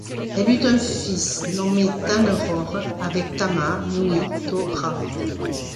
Elle eut un fils nommé Tane-rore avec Tama-nui-to-ra.